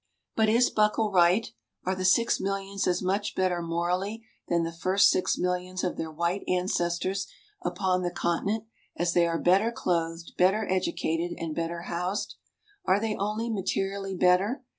But is Buckle right? Are the six millions as much better morally than the first six millions of their white ancestors upon the continent, as they are better clothed, better educated, and better housed? Are they only materially better?